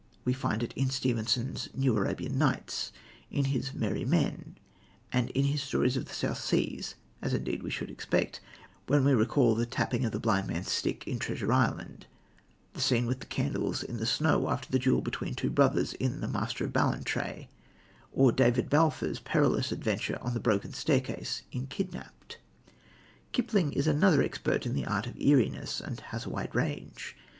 We find it in Stevenson's New Arabian Nights, in his Merry Men, and his stories of the South Seas, as indeed we should expect, when we recall the tapping of the blind man's stick in Treasure Island, the scene with the candles in the snow after the duel between the two brothers in The Master of Ballantrae, or David Balfour's perilous adventure on the broken staircase in Kidnapped. Kipling is another expert in the art of eeriness, and has a wide range.